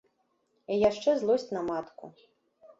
І яшчэ злосць на матку.